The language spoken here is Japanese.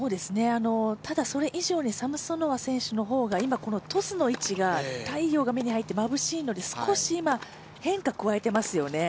ただ、それ以上にサムソノワ選手の方が、今、このトスの位置が太陽が目に入って、まぶしいので少し変化を加えていますよね。